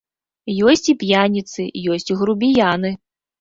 Ёсць і п'яніцы, ёсць і грубіяны.